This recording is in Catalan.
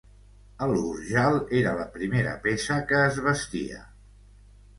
El gorjal era la primera peça que es vestia.